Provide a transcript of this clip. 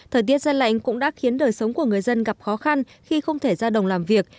thời tiết ra lạnh cũng đã khiến đời sống của người dân gặp khó khăn khi không thể ra đồng làm việc